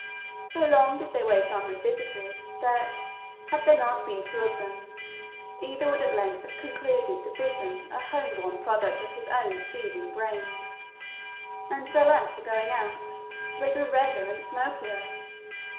So long did they wait unrevisited, that, had there not been two of them, either would at length have concluded the vision a home born product of his own seething brain. And their lamps were going out, for they grew redder and smokier!